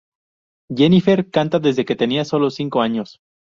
Jennifer canta desde que tenía sólo cinco años.